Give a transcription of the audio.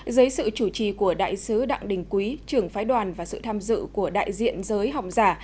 dưới sự chủ trì của đại sứ đặng đình quý trưởng phái đoàn và sự tham dự của đại diện giới học giả